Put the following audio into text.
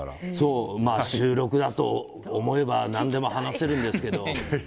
まあ、収録だと思えば何でも話せるんだけど。